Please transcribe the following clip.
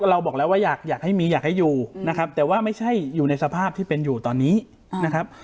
เราบอกแล้วว่าอยากให้มีอยากให้อยู่นะครับแต่ว่าไม่ใช่อยู่ในสภาพที่เป็นอยู่ตอนนี้นะครับ